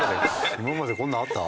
今までこんなのあった？